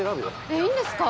えいいんですか？